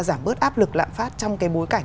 giảm bớt áp lực lạm phát trong cái bối cảnh